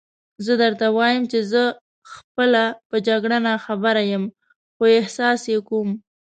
زه درته وایم چې زه خپله په جګړه ناخبره یم، خو احساس یې کوم.